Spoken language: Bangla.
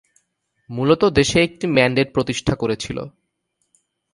মূলত দেশে একটি ম্যান্ডেট প্রতিষ্ঠা করেছিল।